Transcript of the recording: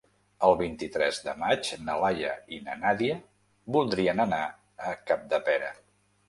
El vint-i-tres de maig na Laia i na Nàdia voldrien anar a Capdepera.